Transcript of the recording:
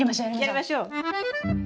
やりましょう！